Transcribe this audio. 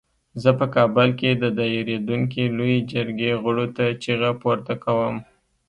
زه په کابل کې د دایریدونکې لویې جرګې غړو ته چیغه پورته کوم.